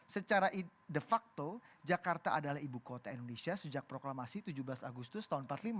secara de facto jakarta adalah ibu kota indonesia sejak proklamasi tujuh belas agustus tahun seribu sembilan ratus empat puluh lima